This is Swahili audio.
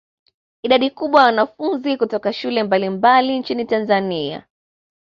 Idadi kubwa ya wanafunzi kutoka shule mbalimbali nchini Tanzania